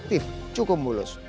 aktif cukup mulus